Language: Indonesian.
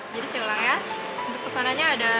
jadi saya ulang ya untuk pesanannya ada